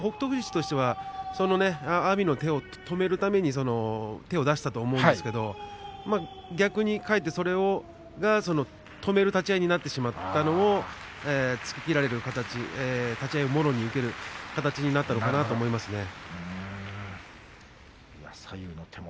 富士として阿炎の手を止めるために手を出したと思うんですが逆に返ってそれが止める立ち合いになってしまったのを突ききられる形立ち合い、もろに受ける形になったんだと思います。